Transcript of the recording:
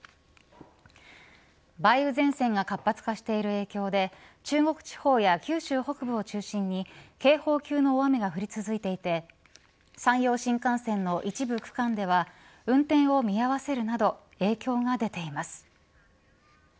梅雨前線が活発化している影響で中国地方や九州北部を中心に警報級の大雨が降り続いていて山陽新幹線の一部区間では運転を見合わせるなど影響が出ています。